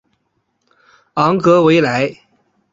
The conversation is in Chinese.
昂格维莱。